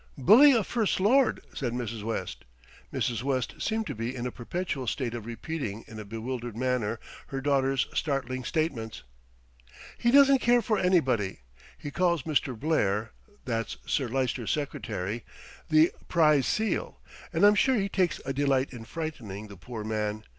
"Bully a First Lord," said Mrs. West. Mrs. West seemed to be in a perpetual state of repeating in a bewildered manner her daughter's startling statements. "He doesn't care for anybody. He calls Mr. Blair, that's Sir Lyster's secretary, the prize seal, and I'm sure he takes a delight in frightening the poor man.